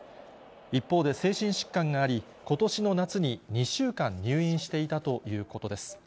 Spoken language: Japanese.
一方で精神疾患があり、ことしの夏に２週間入院していたということです。